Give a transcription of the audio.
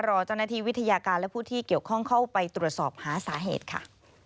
รอเจ้าหน้าที่วิทยาการและผู้ที่เกี่ยวข้องเข้าไปตรวจสอบหาสาเหตุค่ะ